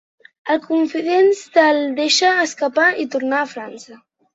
Al confident se’l deixa escapar i tornar a França.